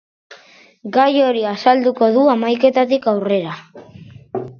Gai hori azalduko du hamaiketatik aurrera.